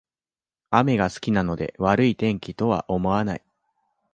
雨が好きなので悪い天気とは思わない